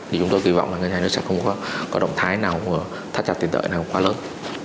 thì chúng tôi kỳ vọng là ngân hàng nhà nước sẽ không có động thái nào thách trạch tiền tệ nào quá lớn